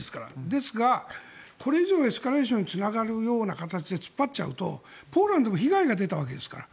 ですがこれ以上エスカレーションにつながるような形で突っ張っちゃうとポーランドも被害が出たわけですから。